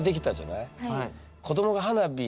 はい。